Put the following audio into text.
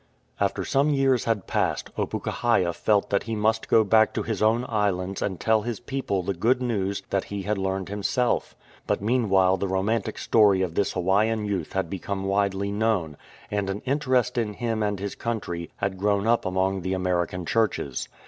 After some years had passed, Opukahaia felt that he must go back to his own islands and tell his people the good news that he had learned himself. But meanwhile the romantic story of this Hawaiian youth had become widely known, and an interest in him and his country had grown up among the American Churches.